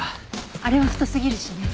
あれは太すぎるしね。